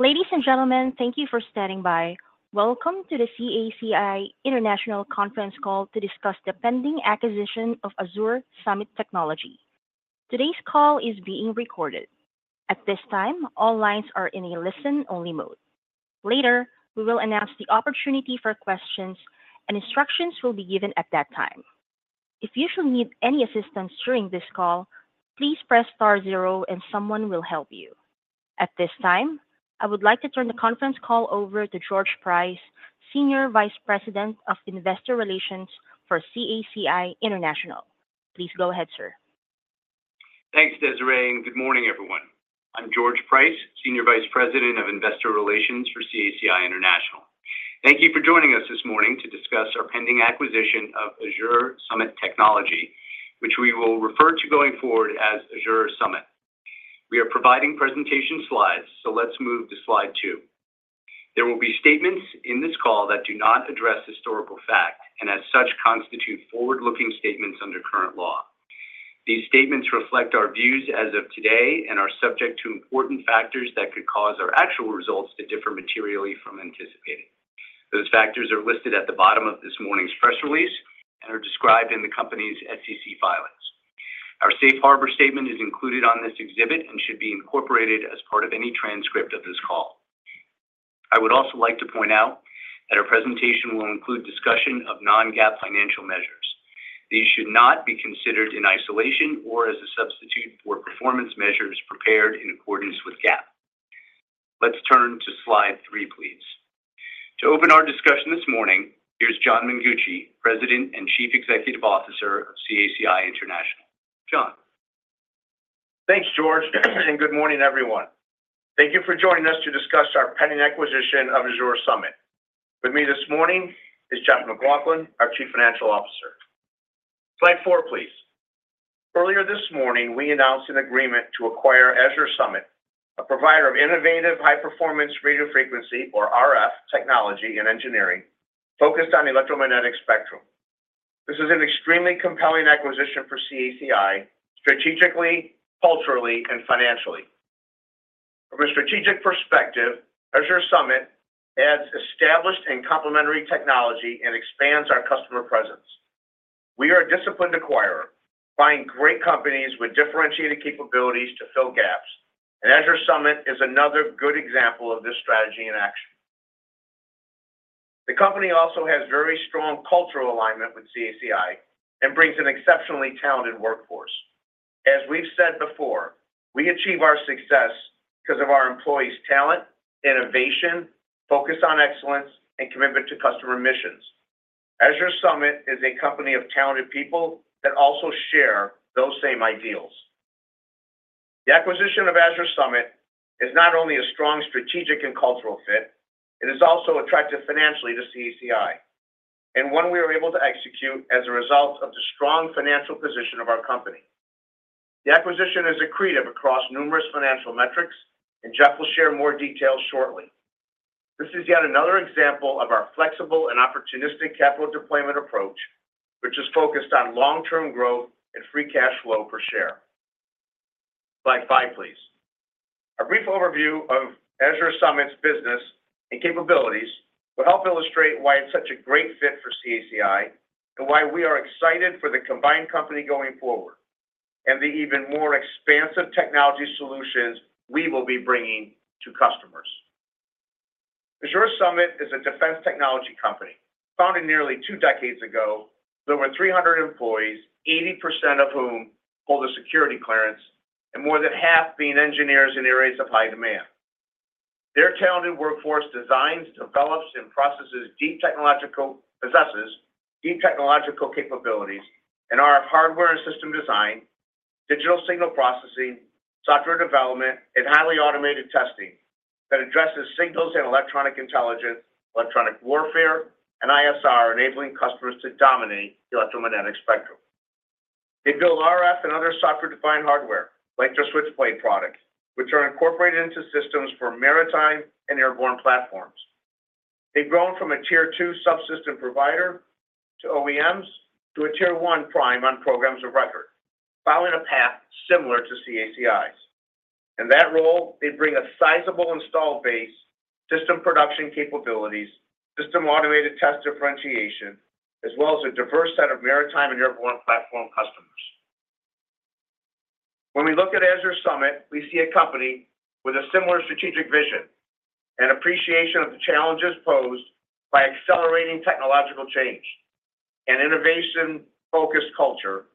Ladies and gentlemen, thank you for standing by. Welcome to the CACI International conference call to discuss the pending acquisition of Azure Summit Technology. Today's call is being recorded. At this time, all lines are in a listen-only mode. Later, we will announce the opportunity for questions, and instructions will be given at that time. If you should need any assistance during this call, please press star zero and someone will help you. At this time, I would like to turn the conference call over to George Price, Senior Vice President of Investor Relations for CACI International. Please go ahead, sir. Thanks, Desiree, and good morning, everyone. I'm George Price, Senior Vice President of Investor Relations for CACI International. Thank you for joining us this morning to discuss our pending acquisition of Azure Summit Technology, which we will refer to going forward as Azure Summit. We are providing presentation slides, so let's move to slide two. There will be statements in this call that do not address historical fact, and as such, constitute forward-looking statements under current law. These statements reflect our views as of today and are subject to important factors that could cause our actual results to differ materially from anticipated. Those factors are listed at the bottom of this morning's press release and are described in the company's SEC filings. Our safe harbor statement is included on this exhibit and should be incorporated as part of any transcript of this call. I would also like to point out that our presentation will include discussion of non-GAAP financial measures. These should not be considered in isolation or as a substitute for performance measures prepared in accordance with GAAP. Let's turn to slide three, please. To open our discussion this morning, here's John Mengucci, President and Chief Executive Officer of CACI International. John? Thanks, George, and good morning, everyone. Thank you for joining us to discuss our pending acquisition of Azure Summit. With me this morning is Jeff MacLauchlan, our Chief Financial Officer. Slide four, please. Earlier this morning, we announced an agreement to acquire Azure Summit, a provider of innovative, high-performance radio frequency or RF technology and engineering focused on the electromagnetic spectrum. This is an extremely compelling acquisition for CACI, strategically, culturally, and financially. From a strategic perspective, Azure Summit adds established and complementary technology and expands our customer presence. We are a disciplined acquirer, buying great companies with differentiated capabilities to fill gaps, and Azure Summit is another good example of this strategy in action. The company also has very strong cultural alignment with CACI and brings an exceptionally talented workforce. As we've said before, we achieve our success because of our employees' talent, innovation, focus on excellence, and commitment to customer missions. Azure Summit is a company of talented people that also share those same ideals. The acquisition of Azure Summit is not only a strong strategic and cultural fit, it is also attractive financially to CACI, and one we are able to execute as a result of the strong financial position of our company. The acquisition is accretive across numerous financial metrics, and Jeff will share more details shortly. This is yet another example of our flexible and opportunistic capital deployment approach, which is focused on long-term growth and free cash flow per share. Slide five, please. A brief overview of Azure Summit's business and capabilities will help illustrate why it's such a great fit for CACI and why we are excited for the combined company going forward, and the even more expansive technology solutions we will be bringing to customers. Azure Summit is a defense technology company, founded nearly two decades ago, with over three hundred employees, 80% of whom hold a security clearance, and more than half being engineers in areas of high demand. Their talented workforce designs, develops, and possesses deep technological capabilities in our hardware and system design, digital signal processing, software development, and highly automated testing that addresses signals and electronic intelligence, electronic warfare, and ISR, enabling customers to dominate the electromagnetic spectrum. They build RF and other software-defined hardware, like their Switchblade products, which are incorporated into systems for maritime and airborne platforms. They've grown from a Tier 2 subsystem provider to OEMs, to a Tier 1 prime on programs of record, following a path similar to CACI's. In that role, they bring a sizable installed base, system production capabilities, system automated test differentiation, as well as a diverse set of maritime and airborne platform customers. When we look at Azure Summit, we see a company with a similar strategic vision and appreciation of the challenges posed by accelerating technological change, an innovation-focused culture,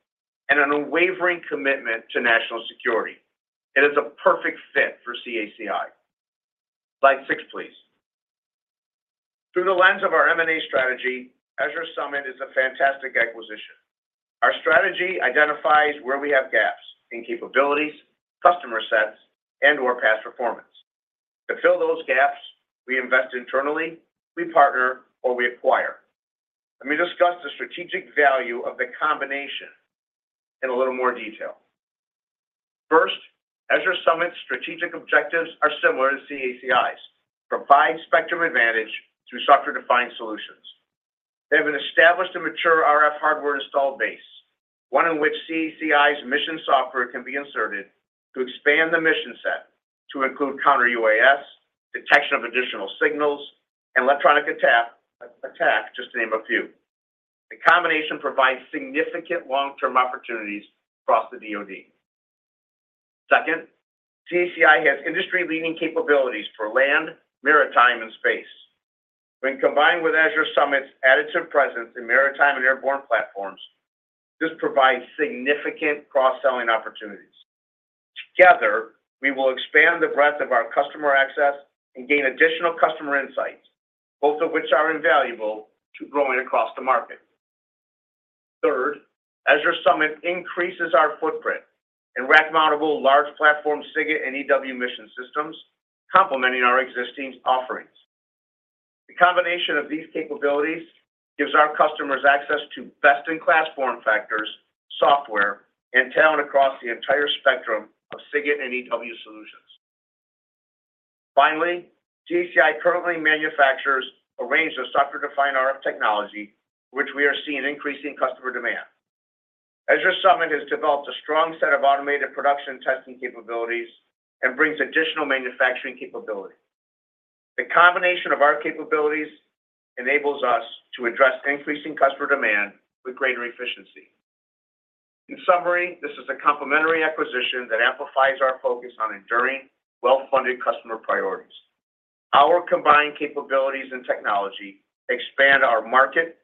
and an unwavering commitment to national security. It is a perfect fit for CACI. Slide six, please. Through the lens of our M&A strategy, Azure Summit is a fantastic acquisition. Our strategy identifies where we have gaps in capabilities, customer sets, and/or past performance. To fill those gaps, we invest internally, we partner, or we acquire. Let me discuss the strategic value of the combination in a little more detail. First, Azure Summit's strategic objectives are similar to CACI's: provide spectrum advantage through software-defined solutions. They have an established and mature RF hardware installed base, one in which CACI's mission software can be inserted to expand the mission set to include counter-UAS, detection of additional signals, and electronic attack, just to name a few. The combination provides significant long-term opportunities across the DoD. Second, CACI has industry-leading capabilities for land, maritime, and space. When combined with Azure Summit's additive presence in maritime and airborne platforms, this provides significant cross-selling opportunities. Together, we will expand the breadth of our customer access and gain additional customer insights, both of which are invaluable to growing across the market. Third, Azure Summit increases our footprint in rack-mountable, large platform SIGINT and EW mission systems, complementing our existing offerings. The combination of these capabilities gives our customers access to best-in-class form factors, software, and talent across the entire spectrum of SIGINT and EW solutions. Finally, CACI currently manufactures a range of software-defined RF technology, which we are seeing increasing customer demand. Azure Summit has developed a strong set of automated production testing capabilities and brings additional manufacturing capability. The combination of our capabilities enables us to address increasing customer demand with greater efficiency. In summary, this is a complementary acquisition that amplifies our focus on enduring, well-funded customer priorities. Our combined capabilities and technology expand our market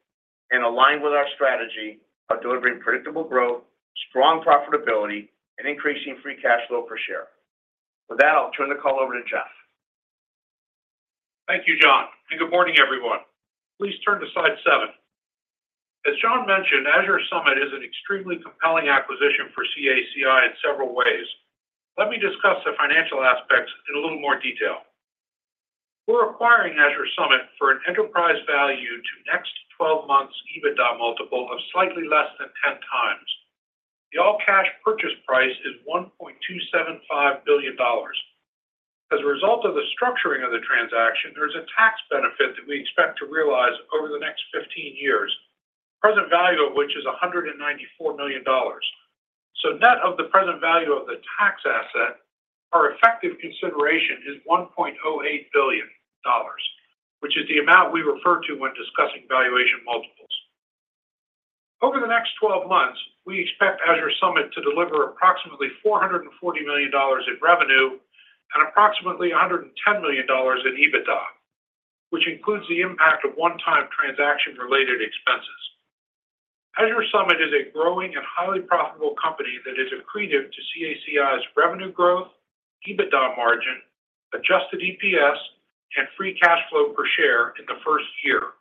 and align with our strategy of delivering predictable growth, strong profitability, and increasing free cash flow per share. With that, I'll turn the call over to Jeff. Thank you, John, and good morning, everyone. Please turn to slide seven. As John mentioned, Azure Summit is an extremely compelling acquisition for CACI in several ways. Let me discuss the financial aspects in a little more detail. We're acquiring Azure Summit for an enterprise value to next 12 months EBITDA multiple of slightly less than 10 times. The all-cash purchase price is $1.275 billion. As a result of the structuring of the transaction, there is a tax benefit that we expect to realize over the next 15 years, present value of which is $194 million. So net of the present value of the tax asset, our effective consideration is $1.08 billion, which is the amount we refer to when discussing valuation multiples. Over the next twelve months, we expect Azure Summit to deliver approximately $440 million in revenue and approximately $110 million in EBITDA, which includes the impact of one-time transaction-related expenses. Azure Summit is a growing and highly profitable company that is accretive to CACI's revenue growth, EBITDA margin, adjusted EPS, and free cash flow per share in the first year.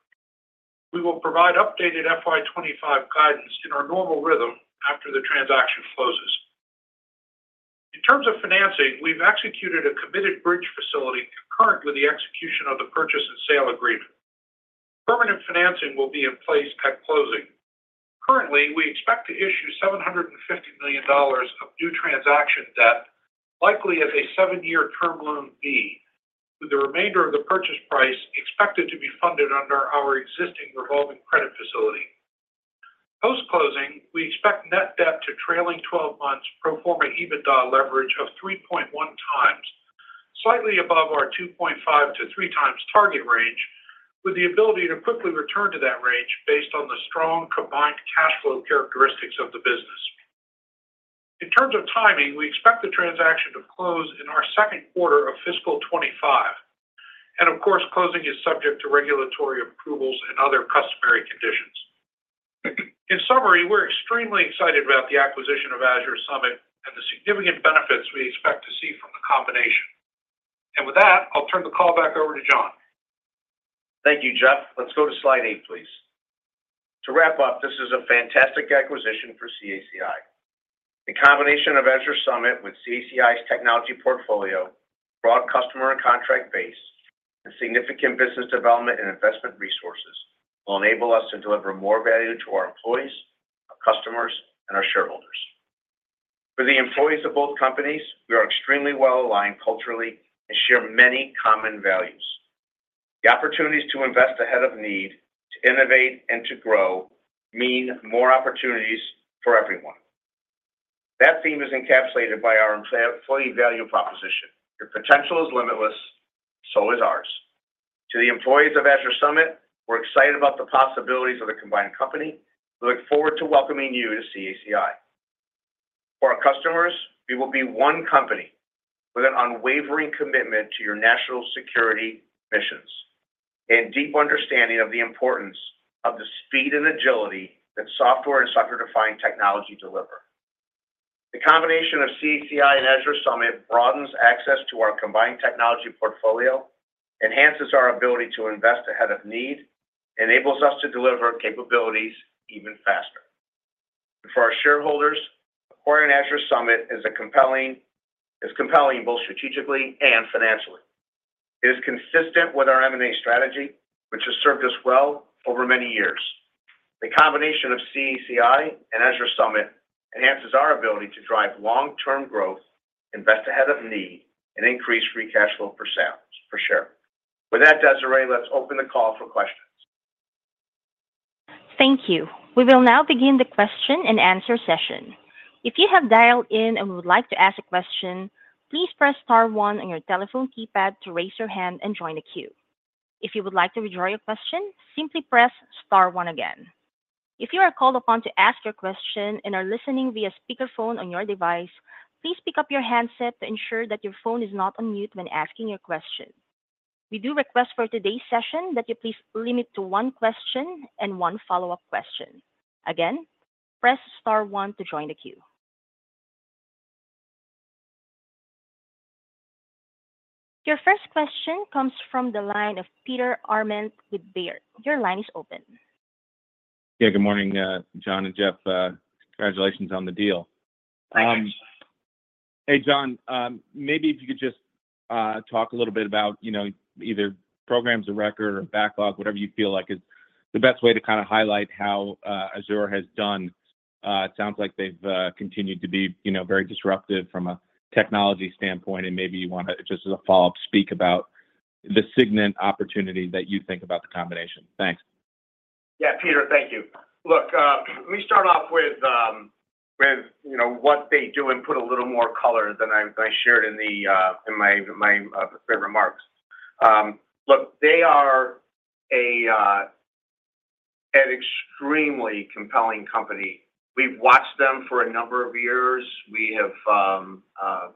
We will provide updated FY 2025 guidance in our normal rhythm after the transaction closes. In terms of financing, we've executed a committed bridge facility concurrent with the execution of the purchase and sale agreement. Permanent financing will be in place at closing. Currently, we expect to issue $750 million of new transaction debt, likely as a seven-year term loan B, with the remainder of the purchase price expected to be funded under our existing revolving credit facility. Post-closing, we expect net debt to trailing twelve months pro forma EBITDA leverage of 3.1 times, slightly above our 2.5-3 times target range, with the ability to quickly return to that range based on the strong combined cash flow characteristics of the business. In terms of timing, we expect the transaction to close in our second quarter of fiscal 2025, and of course, closing is subject to regulatory approvals and other customary conditions. In summary, we're extremely excited about the acquisition of Azure Summit and the significant benefits we expect to see from the combination. And with that, I'll turn the call back over to John. Thank you, Jeff. Let's go to slide eight, please. To wrap up, this is a fantastic acquisition for CACI. The combination of Azure Summit with CACI's technology portfolio, broad customer and contract base, and significant business development and investment resources will enable us to deliver more value to our employees, our customers, and our shareholders. For the employees of both companies, we are extremely well-aligned culturally and share many common values. The opportunities to invest ahead of need, to innovate, and to grow mean more opportunities for everyone. That theme is encapsulated by our employee value proposition. Your potential is limitless, so is ours. To the employees of Azure Summit, we're excited about the possibilities of the combined company. We look forward to welcoming you to CACI. For our customers, we will be one company with an unwavering commitment to your national security missions and deep understanding of the importance of the speed and agility that software and software-defined technology deliver. The combination of CACI and Azure Summit broadens access to our combined technology portfolio, enhances our ability to invest ahead of need, enables us to deliver capabilities even faster. For our shareholders, acquiring Azure Summit is compelling both strategically and financially. It is consistent with our M&A strategy, which has served us well over many years. The combination of CACI and Azure Summit enhances our ability to drive long-term growth, invest ahead of need, and increase free cash flow per share. With that, Desiree, let's open the call for questions. Thank you. We will now begin the question and answer session. If you have dialed in and would like to ask a question, please press star one on your telephone keypad to raise your hand and join the queue. If you would like to withdraw your question, simply press star one again. If you are called upon to ask your question and are listening via speakerphone on your device, please pick up your handset to ensure that your phone is not on mute when asking your question. We do request for today's session that you please limit to one question and one follow-up question. Again, press star one to join the queue. Your first question comes from the line of Peter Arment with Baird. Your line is open. Yeah, good morning, John and Jeff. Congratulations on the deal. Hey, John, maybe if you could just talk a little bit about, you know, either programs of record or backlog, whatever you feel like is the best way to kind of highlight how Azure has done. It sounds like they've continued to be, you know, very disruptive from a technology standpoint, and maybe you want to, just as a follow-up, speak about the significant opportunity that you think about the combination. Thanks. Yeah, Peter, thank you. Look, let me start off with, you know, what they do and put a little more color than I shared in my prepared remarks. Look, they are an extremely compelling company. We've watched them for a number of years. We have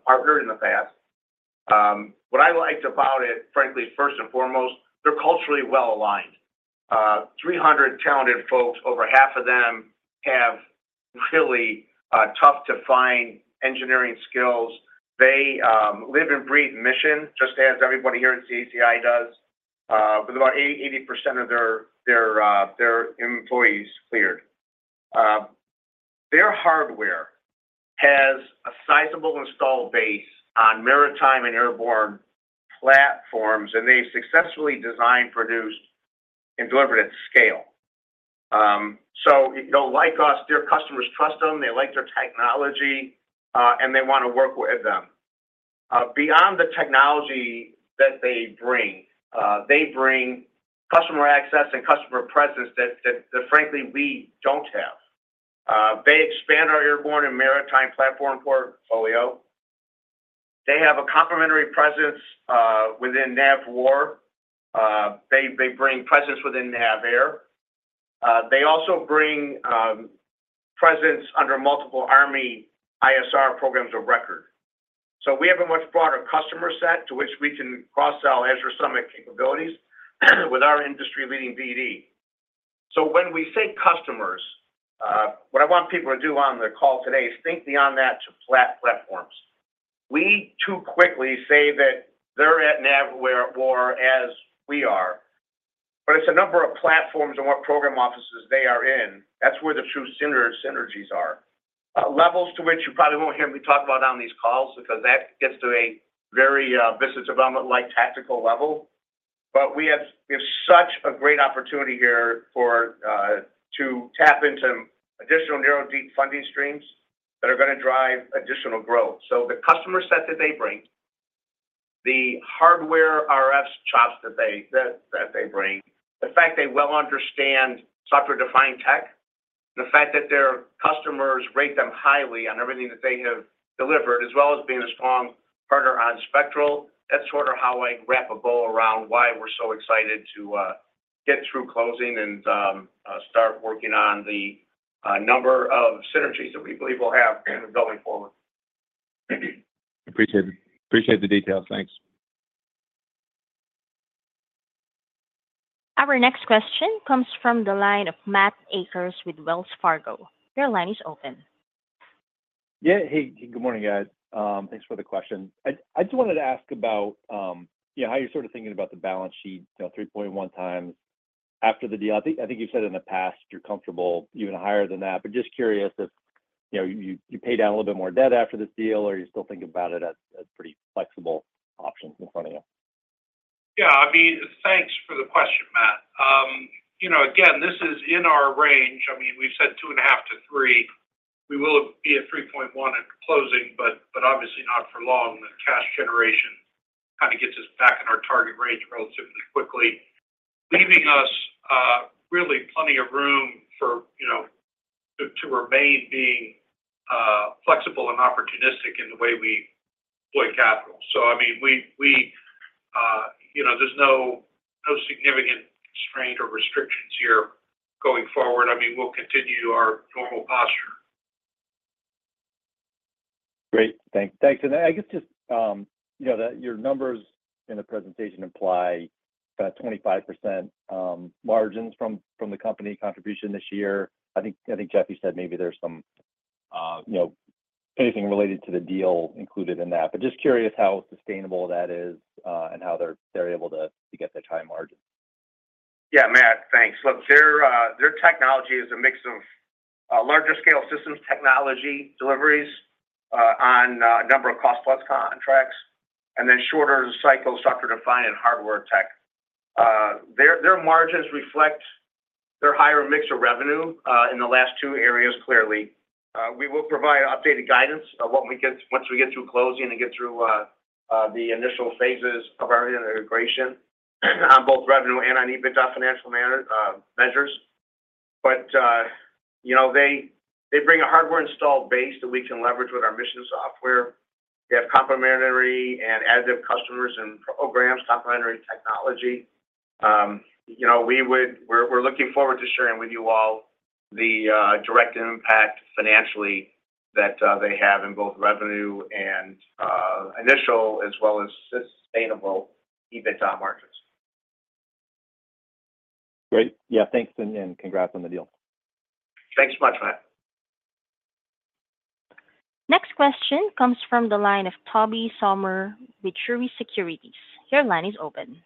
partnered in the past. What I liked about it, frankly, first and foremost, they're culturally well aligned. 300 talented folks, over half of them have really tough to find engineering skills. They live and breathe mission, just as everybody here in CACI does, with about 80% of their employees cleared. Their hardware has a sizable install base on maritime and airborne platforms, and they successfully designed, produced, and delivered at scale. So, you know, like us, their customers trust them, they like their technology, and they wanna work with them. Beyond the technology that they bring, they bring customer access and customer presence that frankly, we don't have. They expand our airborne and maritime platform portfolio. They have a complementary presence within NAVWAR. They bring presence within NAVAIR. They also bring presence under multiple Army ISR programs of record. So we have a much broader customer set to which we can cross-sell Azure Summit capabilities with our industry-leading BD. So when we say customers, what I want people to do on the call today is think beyond that to platforms. We too quickly say that they're at NAVWAR or as we are, but it's a number of platforms and what program offices they are in. That's where the true synergies are. Levels to which you probably won't hear me talk about on these calls because that gets to a very business development-like tactical level. But we have such a great opportunity here for to tap into additional narrow, deep funding streams that are gonna drive additional growth. So the customer set that they bring, the hardware RF chops that they bring, the fact they well understand software-defined tech, the fact that their customers rate them highly on everything that they have delivered, as well as being a strong partner on Spectral, that's sort of how I wrap a bow around why we're so excited to get through closing and start working on the number of synergies that we believe we'll have going forward. Appreciate it. Appreciate the details. Thanks. Our next question comes from the line of Matt Akers with Wells Fargo. Your line is open. Yeah. Hey, good morning, guys. Thanks for the question. I just wanted to ask about, you know, how you're sort of thinking about the balance sheet, you know, three point one times after the deal. I think you said in the past you're comfortable even higher than that, but just curious if, you know, you pay down a little bit more debt after this deal, or you still think about it as pretty flexible options in front of you? Yeah, I mean, thanks for the question, Matt. You know, again, this is in our range. I mean, we've said 2.5-3. We will be at 3.1 at closing, but obviously not for long. The cash generation kind of gets us back in our target range relatively quickly, leaving us really plenty of room for, you know, to remain being flexible and opportunistic in the way we deploy capital. So, I mean, we, you know, there's no significant restraint or restrictions here going forward. I mean, we'll continue our normal posture. Great. Thanks. And I guess just, you know, that your numbers in the presentation imply about 25% margins from the company contribution this year. I think Jeffrey said maybe there's some, you know, anything related to the deal included in that, but just curious how sustainable that is, and how they're able to get that high margin. Yeah, Matt, thanks. Look, their technology is a mix of larger scale systems technology deliveries on a number of cost plus contracts, and then shorter cycle software-defined and hardware tech. Their margins reflect their higher mix of revenue in the last two areas clearly. We will provide updated guidance once we get through closing and get through the initial phases of our integration on both revenue and on EBITDA financial manner measures. But you know, they bring a hardware installed base that we can leverage with our mission software. They have complementary and additive customers and programs, complementary technology. You know, we're looking forward to sharing with you all the direct impact financially that they have in both revenue and initial as well as sustainable EBITDA margins. Great. Yeah, thanks, and congrats on the deal. Thanks so much, Matt. Next question comes from the line of Toby Sommer with Truist Securities. Your line is open.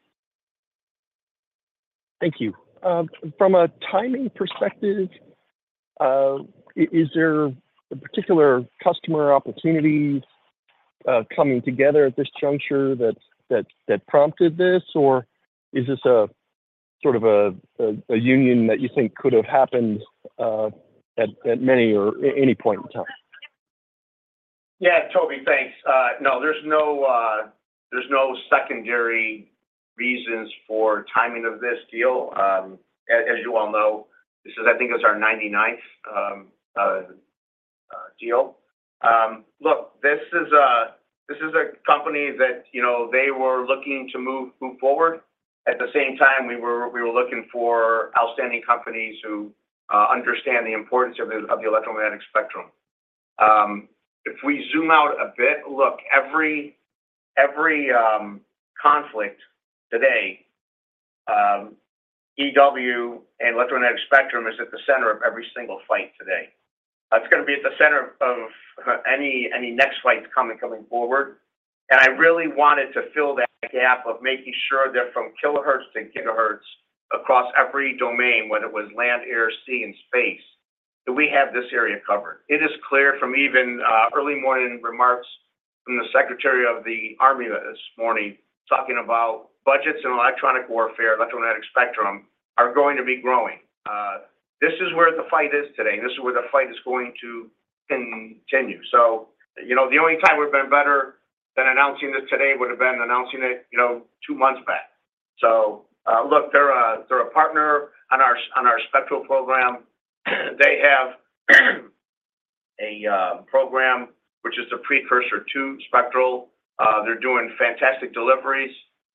Thank you. From a timing perspective, is there a particular customer opportunity coming together at this juncture that prompted this? Or is this a sort of a union that you think could have happened at many or any point in time? Yeah, Toby, thanks. No, there's no secondary reasons for timing of this deal. As you all know, this is, I think, it's our ninety-ninth deal. Look, this is a company that, you know, they were looking to move forward. At the same time, we were looking for outstanding companies who understand the importance of the electromagnetic spectrum. If we zoom out a bit, look, every conflict today, EW and electromagnetic spectrum is at the center of every single fight today. It's gonna be at the center of any next fights coming forward. And I really wanted to fill that gap of making sure that from kilohertz to gigahertz across every domain, whether it was land, air, sea and space, that we have this area covered. It is clear from even early morning remarks from the Secretary of the Army this morning, talking about budgets and electronic warfare, electromagnetic spectrum, are going to be growing. This is where the fight is today, and this is where the fight is going to continue. So, you know, the only time we've been better than announcing this today would have been announcing it, you know, two months back. So, look, they're a partner on our spectral program. They have a program which is a precursor to Spectral. They're doing fantastic deliveries.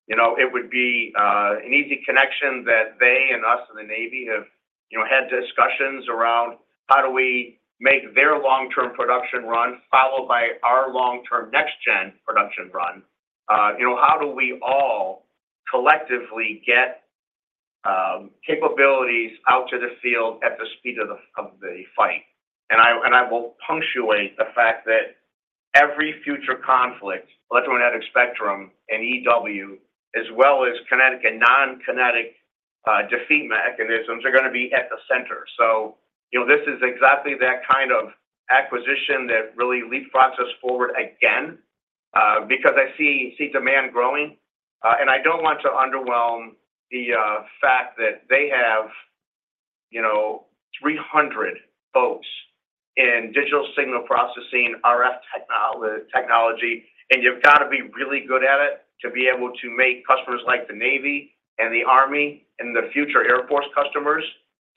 You know, it would be an easy connection that they and us and the Navy have, you know, had discussions around how do we make their long-term production run, followed by our long-term next gen production run. You know, how do we all collectively get capabilities out to the field at the speed of the fight? I will punctuate the fact that every future conflict, electromagnetic spectrum and EW, as well as kinetic and non-kinetic defeat mechanisms, are gonna be at the center, so you know, this is exactly that kind of acquisition that really leapfrogs us forward again, because I see demand growing. And I don't want to underwhelm the fact that they have, you know, 300 folks in digital signal processing, RF technology, and you've got to be really good at it to be able to make customers like the Navy and the Army and the future Air Force customers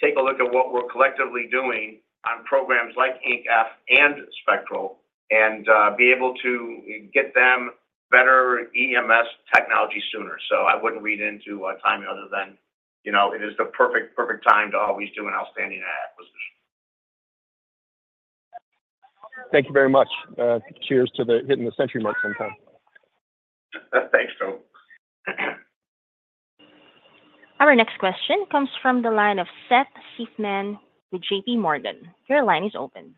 take a look at what we're collectively doing on programs like Increment F and Spectral, and be able to get them better EMS technology sooner. So, I wouldn't read into a timing other than, you know, it is the perfect, perfect time to always do an outstanding acquisition. Thank you very much. Cheers to hitting the century mark sometime. Thanks, Toby. Our next question comes from the line of Seth Seifman with JPMorgan. Your line is open.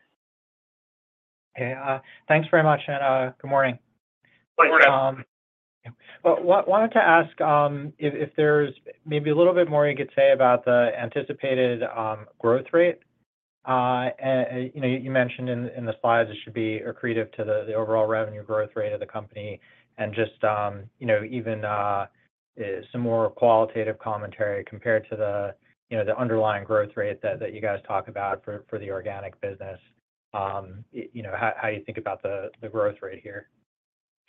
Hey, thanks very much, and good morning. Good morning. Well, wanted to ask if there's maybe a little bit more you could say about the anticipated growth rate. You know, you mentioned in the slides it should be accretive to the overall revenue growth rate of the company, and just you know, even some more qualitative commentary compared to you know, the underlying growth rate that you guys talk about for the organic business. You know, how you think about the growth rate here?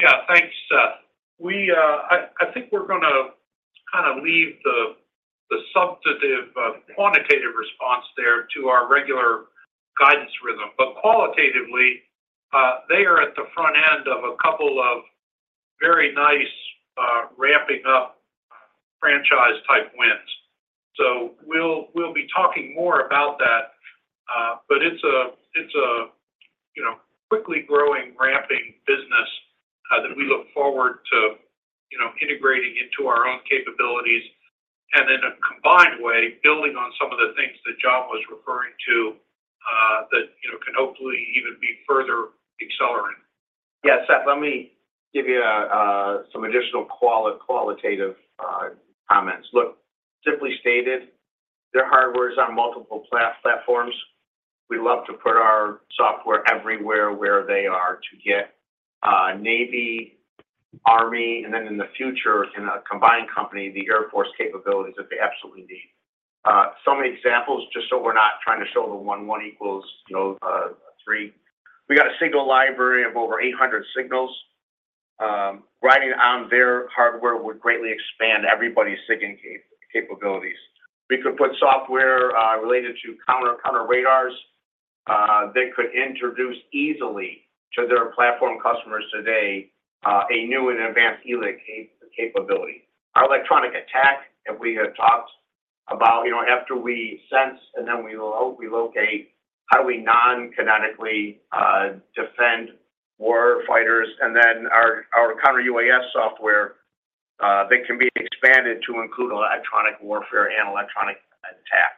Yeah, thanks, Seth. I think we're gonna kinda leave the substantive quantitative response there to our regular guidance rhythm. But qualitatively, they are at the front end of a couple of very nice ramping up franchise-type wins. So we'll be talking more about that, but it's a, you know, quickly growing, ramping business that we look forward to, you know, integrating into our own capabilities, and in a combined way, building on some of the things that John was referring to that, you know, can hopefully even be further accelerating. Yeah, Seth, let me give you some additional qualitative detail. Look, simply stated, their hardware is on multiple platforms. We love to put our software everywhere, where they are today, Navy, Army, and then in the future, in a combined company, the Air Force capabilities that they absolutely need. So many examples, just so we're not trying to show the one plus one equals, you know, three. We got a signal library of over eight hundred signals. Riding on their hardware would greatly expand everybody's signal capabilities. We could put software related to counter radars that could introduce easily to their platform customers today a new and advanced ELINT capability. Our electronic attack, and we have talked about, you know, after we sense, and then we relocate, how do we non-kinetically defend warfighters? And then our counter UAS software that can be expanded to include electronic warfare and electronic attack.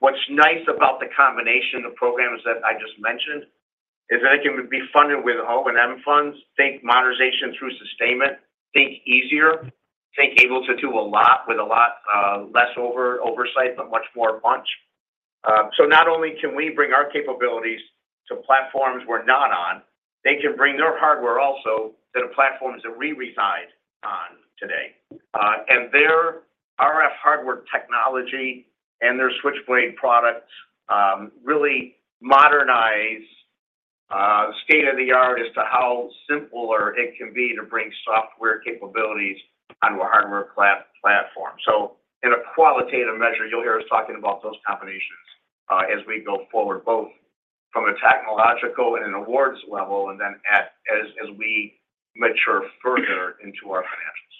What's nice about the combination of programs that I just mentioned, is that it can be funded with O&M funds. Think modernization through sustainment, think easier, think able to do a lot with a lot, less oversight, but much more punch. So not only can we bring our capabilities to platforms we're not on, they can bring their hardware also to the platforms that we reside on today. And their RF hardware technology and their Switchblade products really modernize state-of-the-art as to how simpler it can be to bring software capabilities onto a hardware platform. So in a qualitative measure, you'll hear us talking about those combinations as we go forward, both from a technological and an awards level, and then as we mature further into our financials.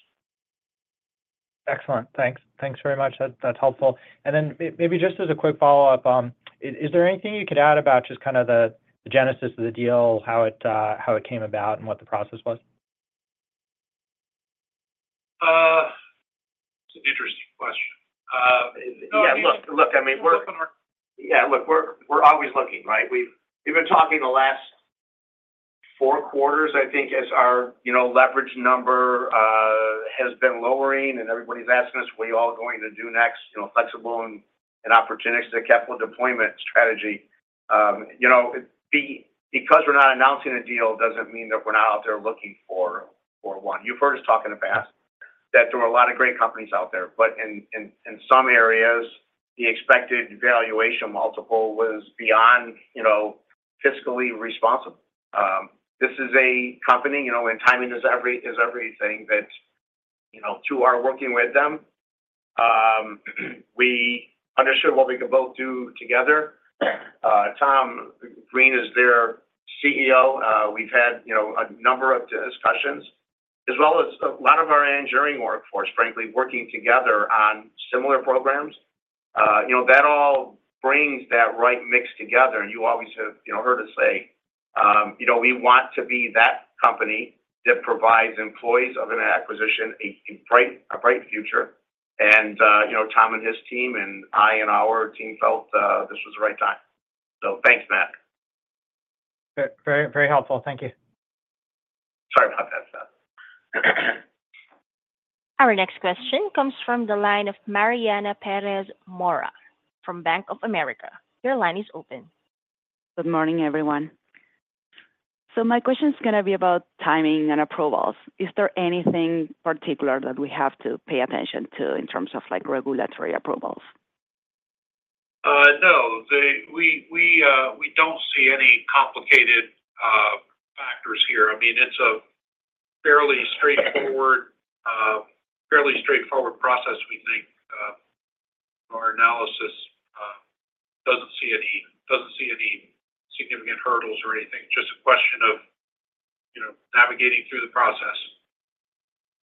Excellent. Thanks. Thanks very much. That's, that's helpful. And then maybe just as a quick follow-up, is there anything you could add about just kind of the genesis of the deal, how it, how it came about and what the process was? It's an interesting question. Yeah, look, I mean, we're, yeah, look, we're always looking, right? We've been talking the last four quarters, I think, as our, you know, leverage number has been lowering, and everybody's asking us, "What are you all going to do next?" You know, flexible and opportunities to capital deployment strategy. You know, because we're not announcing a deal, doesn't mean that we're not out there looking for one. You've heard us talk in the past, that there were a lot of great companies out there, but in some areas, the expected valuation multiple was beyond, you know, fiscally responsible. This is a company, you know, when timing is everything that, you know, to our working with them, we understood what we could both do together. Tom Green is their CEO. We've had, you know, a number of discussions, as well as a lot of our engineering workforce, frankly, working together on similar programs. You know, that all brings that right mix together, and you always have, you know, heard us say, you know, we want to be that company that provides employees of an acquisition, a bright future, and you know, Tom and his team, and I and our team felt this was the right time, so thanks, Matt. Very, very helpful. Thank you. Sorry about that. Our next question comes from the line of Mariana Perez Mora from Bank of America. Your line is open. Good morning, everyone. So my question is gonna be about timing and approvals. Is there anything particular that we have to pay attention to in terms of, like, regulatory approvals? No, we don't see any complicated factors here. I mean, it's a fairly straightforward process, we think. Our analysis doesn't see any significant hurdles or anything, just a question of, you know, navigating through the process.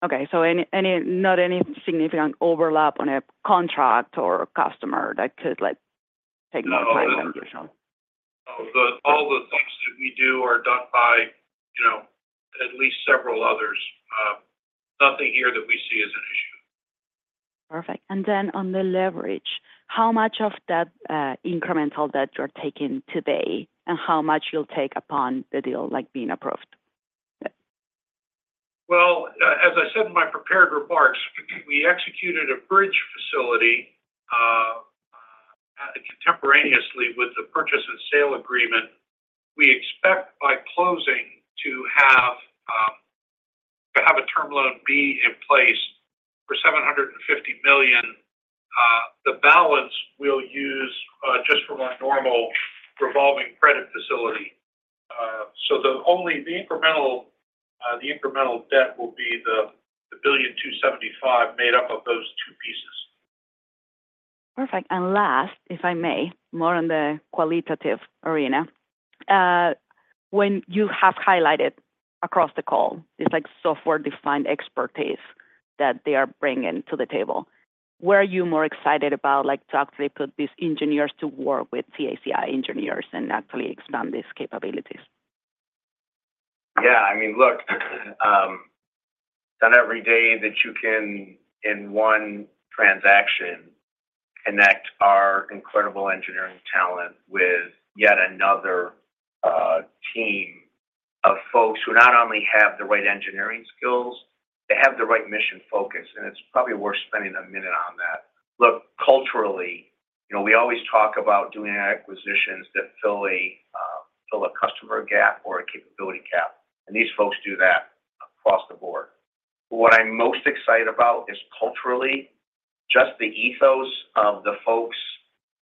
Okay. So not any significant overlap on a contract or a customer that could, like, take- No. Time and for sure. No, the, all the things that we do are done by, you know, at least several others. Nothing here that we see as an issue. Perfect. And then on the leverage, how much of that incremental debt you're taking today, and how much you'll take upon the deal, like, being approved? As I said in my prepared remarks, we executed a bridge facility contemporaneously with the purchase and sale agreement. We expect by closing to have a Term Loan B in place for $750 million. The balance we'll use just from our normal revolving credit facility. So, the only incremental debt will be the $1.275 billion made up of those two pieces. Perfect. And last, if I may, more on the qualitative arena. When you have highlighted across the call, it's like software-defined expertise that they are bringing to the table. Where are you more excited about, like, to actually put these engineers to work with CACI engineers and actually expand these capabilities? Yeah, I mean, look, it's not every day that you can, in one transaction, connect our incredible engineering talent with yet another team of folks who not only have the right engineering skills, they have the right mission focus, and it's probably worth spending a minute on that. Look, culturally, you know, we always talk about doing acquisitions that fill a customer gap or a capability gap, and these folks do that across the board. But what I'm most excited about is culturally, just the ethos of the folks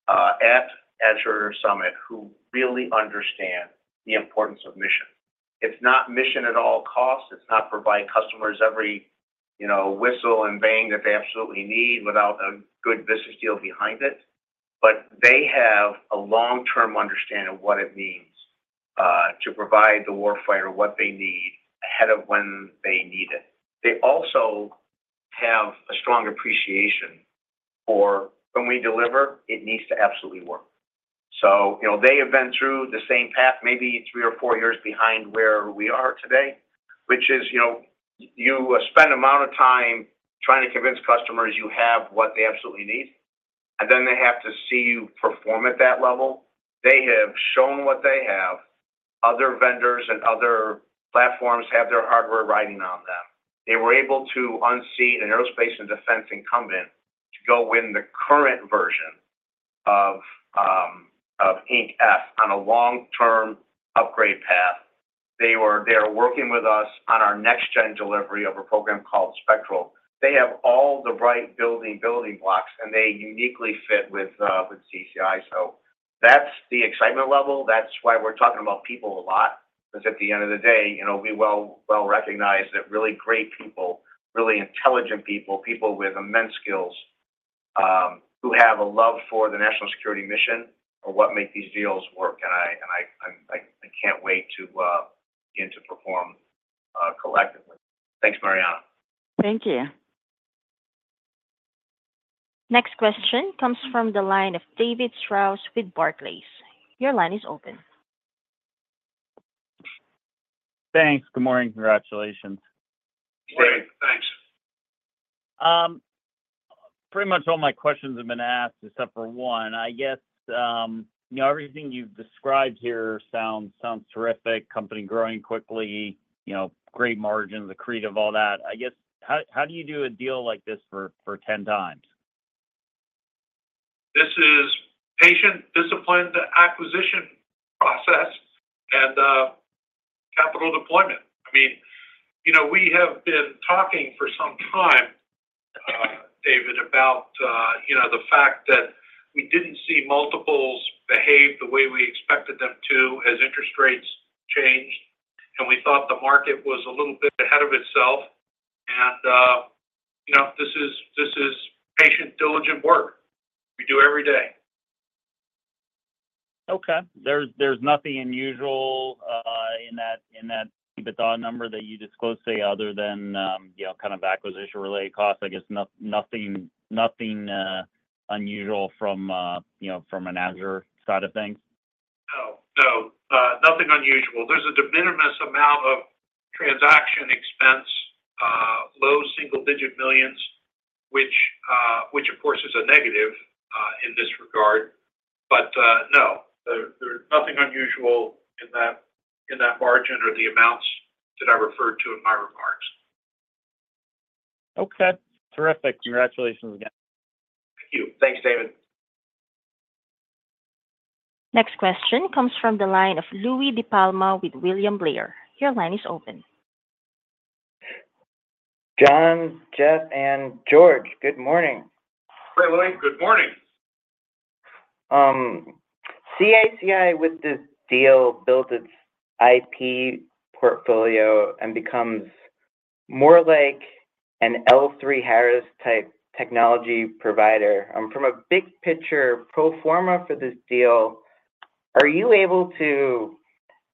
at Azure Summit who really understand the importance of mission. It's not mission at all costs, it's not providing customers every, you know, whistle and bang that they absolutely need without a good business deal behind it, but they have a long-term understanding of what it means to provide the war fighter what they need ahead of when they need it. They also have a strong appreciation for when we deliver, it needs to absolutely work. So, you know, they have been through the same path, maybe three or four years behind where we are today, which is, you know, you spend amount of time trying to convince customers you have what they absolutely need, and then they have to see you perform at that level. They have shown what they have. Other vendors and other platforms have their hardware riding on them. They were able to unseat an aerospace and defense incumbent to go win the current version of Increment F on a long-term upgrade path. They are working with us on our next gen delivery of a program called Spectral. They have all the right building blocks, and they uniquely fit with CACI. So that's the excitement level. That's why we're talking about people a lot, because at the end of the day, you know, we well recognized that really great people, really intelligent people, people with immense skills, who have a love for the national security mission are what make these deals work. And I can't wait to begin to perform collectively. Thanks, Mariana. Thank you. Next question comes from the line of David Strauss with Barclays. Your line is open. Thanks. Good morning. Congratulations. Great. Thanks. Pretty much all my questions have been asked, except for one. I guess, you know, everything you've described here sounds terrific, company growing quickly, you know, great margins, the cream of all that. I guess, how do you do a deal like this for ten times? This is patient, disciplined acquisition process and capital deployment. I mean, you know, we have been talking for some time, David, about you know, the fact that we didn't see multiples behave the way we expected them to as interest rates changed, and we thought the market was a little bit ahead of itself. And, you know, this is patient, diligent work we do every day. Okay. There's nothing unusual in that EBITDA number that you disclosed today, other than, you know, kind of acquisition-related costs, I guess, nothing unusual from, you know, from an Azure side of things? No, no, nothing unusual. There's a de minimis amount of transaction expense, low single-digit millions, which, of course, is a negative, in this regard. But, no, there's nothing unusual in that margin or the amounts that I referred to in my remarks. Okay. Terrific. Congratulations again. Thank you. Thanks, David. Next question comes from the line of Louie DiPalma with William Blair. Your line is open. John, Jeff, and George, good morning. Hey, Louie. Good morning. CACI, with this deal, builds its IP portfolio and becomes more like an L3Harris-type technology provider. From a big picture pro forma for this deal, are you able to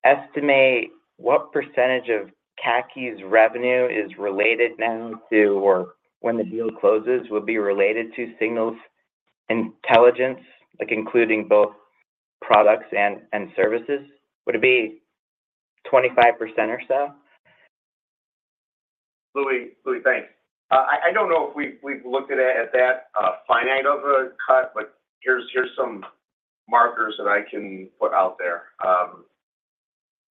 estimate what percentage of CACI's revenue is related now to or when the deal closes, will be related to signals intelligence, like including both products and, and services? Would it be 25% or so? Louis, thanks. I don't know if we've looked at it at that finite of a cut, but here's some markers that I can put out there.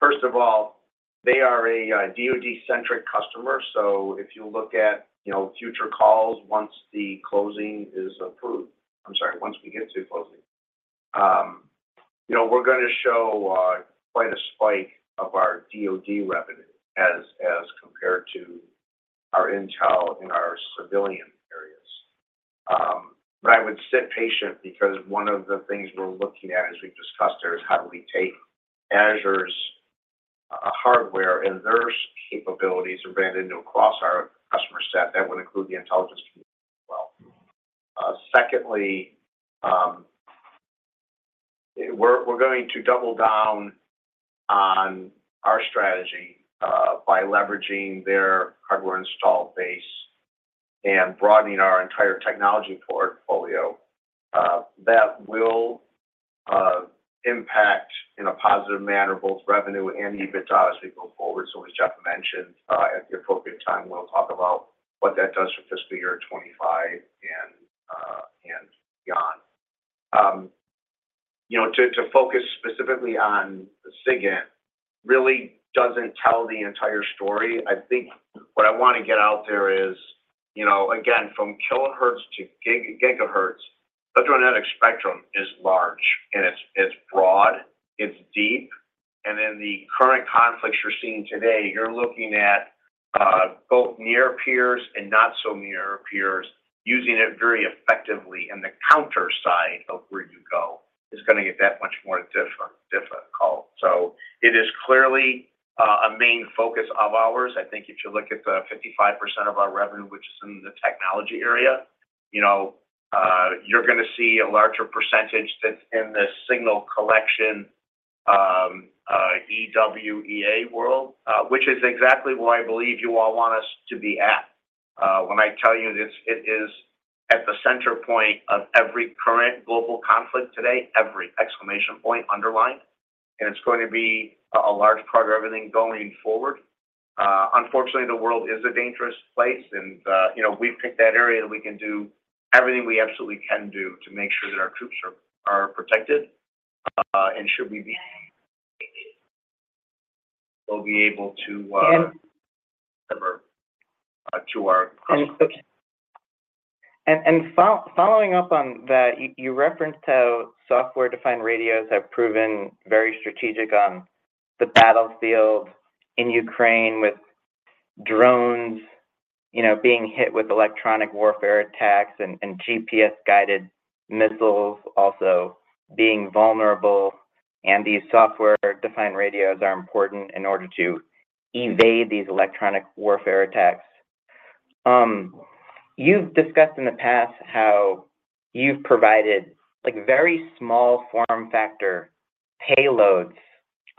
First of all, they are a DoD-centric customer, so if you look at, you know, future calls once the closing is approved, I'm sorry, once we get to closing, you know, we're gonna show quite a spike of our DoD revenue as compared to our intel and our civilian areas. But I would be patient because one of the things we're looking at, as we've discussed here, is how do we take Azure's hardware and their capabilities and brand it new across our customer set. That would include the intelligence community as well. Secondly, we're going to double down on our strategy by leveraging their hardware install base and broadening our entire technology portfolio. That will impact in a positive manner both revenue and EBITDA as we go forward. So as Jeff mentioned, at the appropriate time, we'll talk about what that does for fiscal year 2025, and you know, to focus specifically on SIGINT really doesn't tell the entire story. I think what I want to get out there is, you know, again, from kilohertz to giga, gigahertz, electronic spectrum is large, and it's broad, it's deep. In the current conflicts you're seeing today, you're looking at both near peers and not so near peers using it very effectively, and the counter side of where you go is gonna get that much more different, difficult. So it is clearly a main focus of ours. I think if you look at the 55% of our revenue, which is in the technology area, you know, you're gonna see a larger percentage that's in this signal collection EW/EA world, which is exactly where I believe you all want us to be at. When I tell you this, it is at the center point of every current global conflict today, every exclamation point underlined, and it's going to be a large part of everything going forward. Unfortunately, the world is a dangerous place, and you know, we've picked that area we can do everything we absolutely can do to make sure that our troops are protected. And should we be, we'll be able to deliver to our customers. And following up on that, you referenced how software-defined radios have proven very strategic on the battlefield in Ukraine with drones, you know, being hit with electronic warfare attacks and GPS-guided missiles also being vulnerable, and these software-defined radios are important in order to evade these electronic warfare attacks. You've discussed in the past how you've provided, like, very small form factor payloads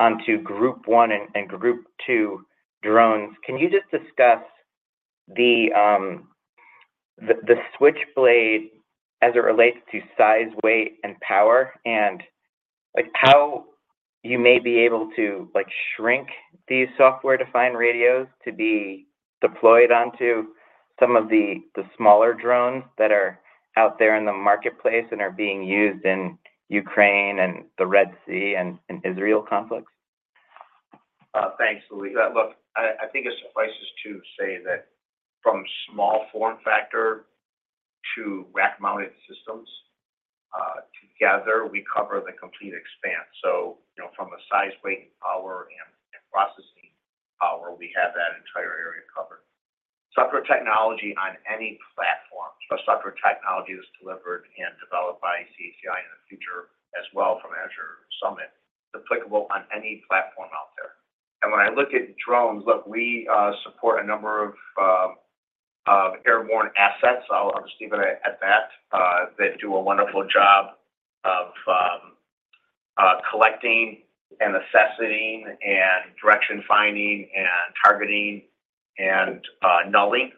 onto group one and group two drones. Can you just discuss the Switchblade as it relates to size, weight, and power, and, like, how you may be able to, like, shrink these software-defined radios to be deployed onto some of the smaller drones that are out there in the marketplace and are being used in Ukraine and the Red Sea and in Israel conflicts? Thanks, Louie. Look, I think it suffices to say that from small form factor to rack-mounted systems, together, we cover the complete expanse. So, you know, from a size, weight, and power and processing power, we have that entire area covered. Software technology on any platform, so software technology is delivered and developed by CACI in the future as well from Azure Summit, it's applicable on any platform out there. And when I look at drones, look, we support a number of of airborne assets, I'll just leave it at that. They do a wonderful job of collecting and assessing and direction finding and targeting and nulling.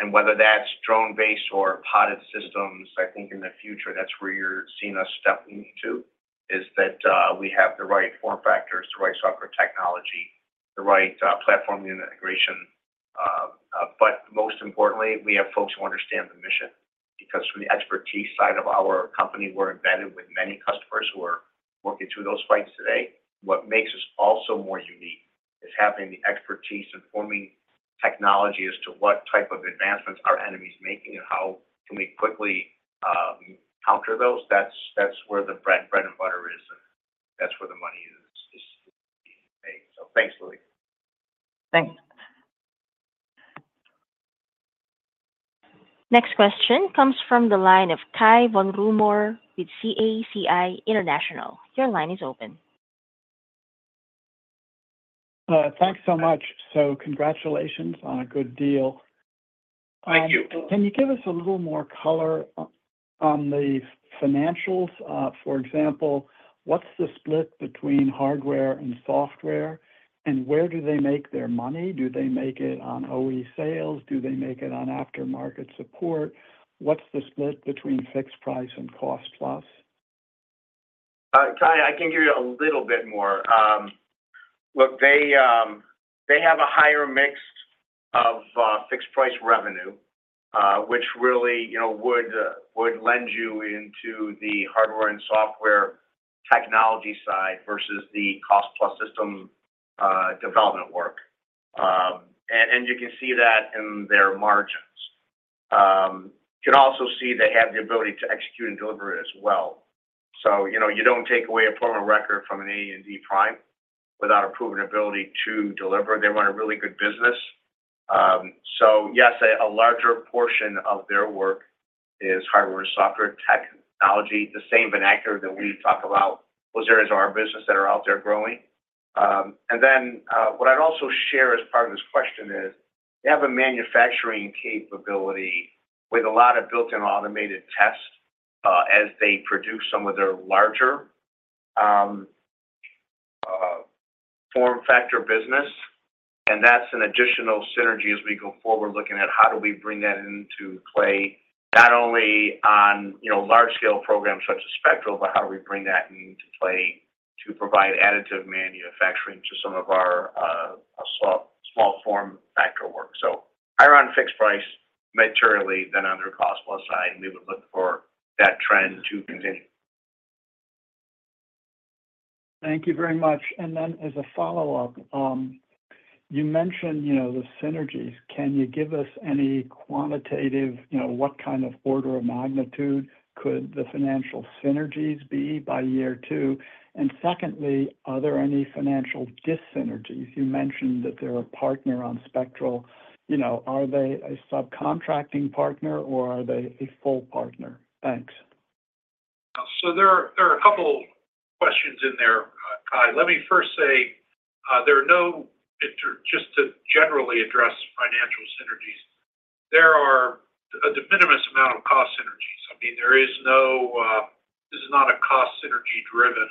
And whether that's drone-based or podded systems, I think in the future, that's where you're seeing us stepping into, is that we have the right form factors, the right software technology, the right platform integration. But most importantly, we have folks who understand the mission, because from the expertise side of our company, we're embedded with many customers who are working through those fights today. What makes us also more unique is having the expertise, informing technology as to what type of advancements our enemy is making and how can we quickly counter those. That's where the bread and butter is, and that's where the money is made. So thanks, Louie. Thanks. Next question comes from the line of Cai von Rumohr with TD Cowen. Your line is open. Thanks so much. So congratulations on a good deal. Thank you. Can you give us a little more color on the financials? For example, what's the split between hardware and software, and where do they make their money? Do they make it on OE sales? Do they make it on aftermarket support? What's the split between fixed price and cost plus? Cai, I can give you a little bit more. Look, they have a higher mix of fixed price revenue, which really, you know, would lend you into the hardware and software technology side versus the cost plus system development work. And you can see that in their margins. You can also see they have the ability to execute and deliver it as well. So, you know, you don't take away a proven record from an A and D prime without a proven ability to deliver. They run a really good business. So yes, a larger portion of their work is hardware, software, technology, the same areas that we talk about. Those areas are our business that are out there growing. And then, what I'd also share as part of this question is, they have a manufacturing capability with a lot of built-in automated tests, as they produce some of their larger form factor business, and that's an additional synergy as we go forward, looking at how do we bring that into play, not only on, you know, large scale programs such as Spectral, but how do we bring that into play to provide additive manufacturing to some of our small form factor higher on fixed price materially than under cost plus side, and we would look for that trend to continue. Thank you very much. And then as a follow-up, you mentioned, you know, the synergies. Can you give us any quantitative, you know, what kind of order of magnitude could the financial synergies be by year two? And secondly, are there any financial dyssynergies? You mentioned that they're a partner on Spectral. You know, are they a subcontracting partner or are they a full partner? Thanks. There are a couple questions in there, Cai. Let me first say, just to generally address financial synergies, there are a de minimis amount of cost synergies. I mean, there is no, this is not a cost synergy-driven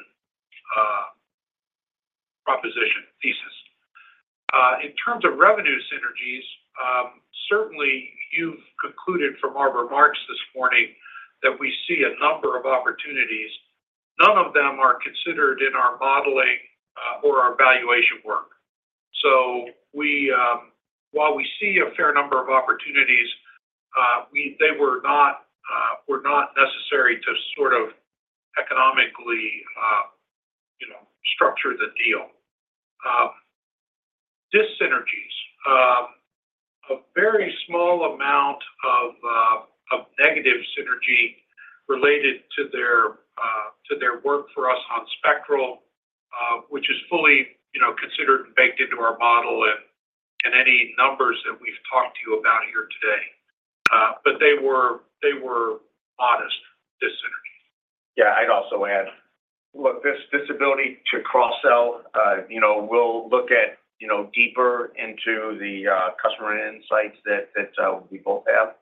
proposition thesis. In terms of revenue synergies, certainly you've concluded from our remarks this morning that we see a number of opportunities. None of them are considered in our modeling or our valuation work. While we see a fair number of opportunities, they were not necessary to sort of economically, you know, structure the deal. Dis-synergies, a very small amount of negative synergy related to their work for us on Spectral, which is fully, you know, considered and baked into our model and any numbers that we've talked to you about here today. But they were honest dis-synergy. Yeah, I'd also add, look, this ability to cross-sell, you know, we'll look at, you know, deeper into the customer insights that we both have.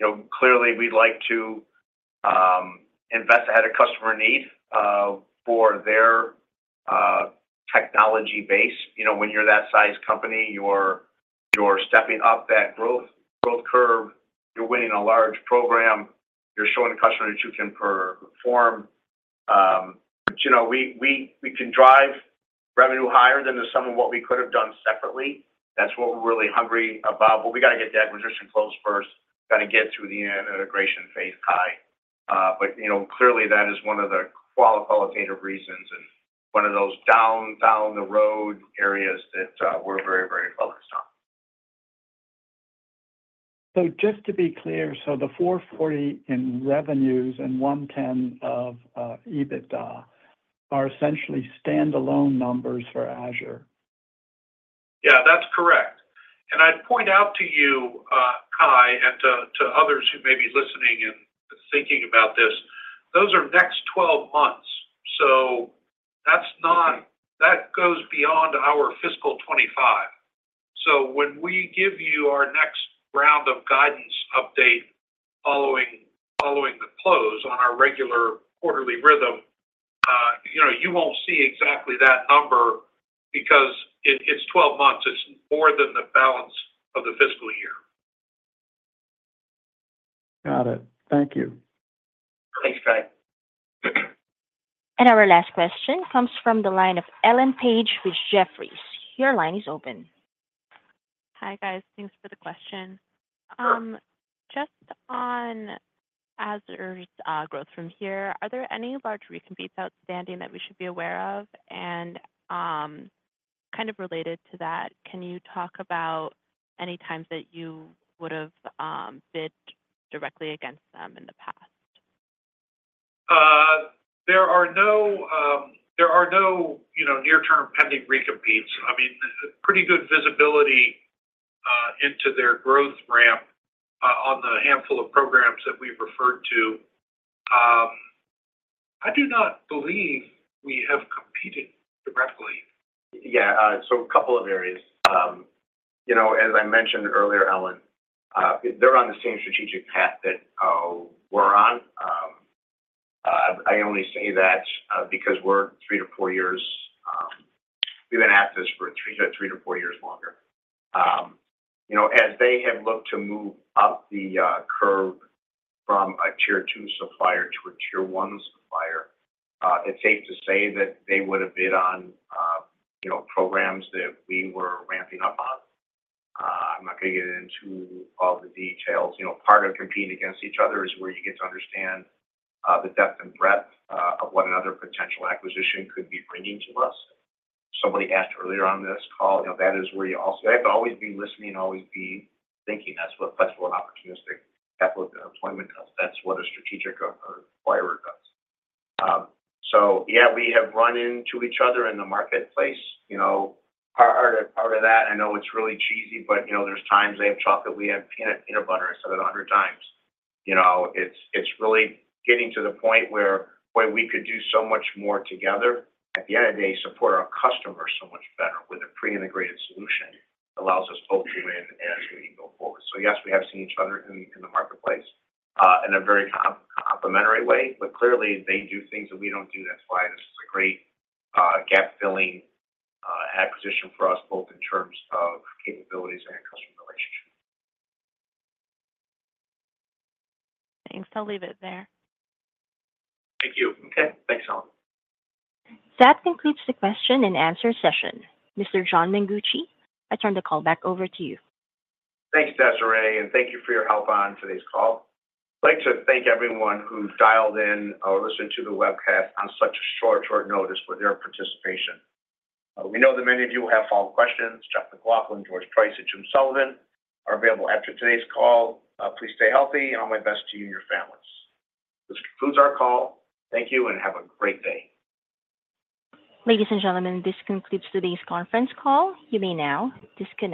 You know, clearly, we'd like to invest ahead of customer need for their technology base. You know, when you're that size company, you're stepping up that growth curve, you're winning a large program, you're showing the customer that you can perform. But, you know, we can drive revenue higher than the sum of what we could have done separately. That's what we're really hungry about, but we got to get the acquisition closed first, got to get through the integration phase, Cai. But, you know, clearly that is one of the qualitative reasons and one of those down the road areas that we're very, very focused on. So just to be clear, so the 440 in revenues and 110 of EBITDA are essentially standalone numbers for Azure? Yeah, that's correct. And I'd point out to you, Cai, and to others who may be listening and thinking about this, those are next 12 months. So that's not. That goes beyond our fiscal 2025. So when we give you our next round of guidance update following the close on our regular quarterly rhythm, you know, you won't see exactly that number because it, it's 12 months. It's more than the balance of the fiscal year. Got it. Thank you. Thanks, Cai. And our last question comes from the line of Ellen Page with Jefferies. Your line is open. Hi, guys. Thanks for the question. Just on Azure's growth from here, are there any large recompetes outstanding that we should be aware of? And, kind of related to that, can you talk about any times that you would have bid directly against them in the past? There are no, you know, near-term pending recompetes. I mean, pretty good visibility into their growth ramp on the handful of programs that we've referred to. I do not believe we have competed directly. Yeah, so a couple of areas. You know, as I mentioned earlier, Ellen, they're on the same strategic path that we're on. I only say that because we're three to four years. We've been at this for three, three to four years longer. You know, as they have looked to move up the curve from a Tier Two supplier to a Tier One supplier, it's safe to say that they would have bid on, you know, programs that we were ramping up on. I'm not going to get into all the details. You know, part of competing against each other is where you get to understand the depth and breadth of what another potential acquisition could be bringing to us. Somebody asked earlier on this call, you know, that is where you also have to always be listening and always be thinking. That's what a flexible and opportunistic capital deployment does. That's what a strategic acquirer does. So yeah, we have run into each other in the marketplace. You know, part of that, I know it's really cheesy, but, you know, there's times they have chocolate, we have peanut butter. I've said it a hundred times. You know, it's really getting to the point where we could do so much more together. At the end of the day, support our customers so much better with a pre-integrated solution allows us both to win as we go forward. So yes, we have seen each other in the marketplace in a very complementary way, but clearly, they do things that we don't do. That's why this is a great, gap-filling, acquisition for us, both in terms of capabilities and customer relationships. Thanks. I'll leave it there. Thank you. Okay. Thanks, Ellen. That concludes the question and answer session. Mr. John Mengucci, I turn the call back over to you. Thanks, Desiree, and thank you for your help on today's call. I'd like to thank everyone who dialed in or listened to the webcast on such a short, short notice for their participation. We know that many of you will have follow-up questions. Jeff McLaughlin, George Price, and Jim Sullivan are available after today's call. Please stay healthy, and all my best to you and your families. This concludes our call. Thank you, and have a great day. Ladies and gentlemen, this concludes today's conference call. You may now disconnect.